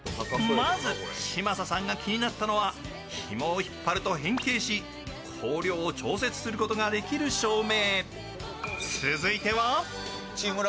まず嶋佐さんが気になったのはひもを引っ張ると変形し光量を調節することができる照明。